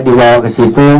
di bawah ke situ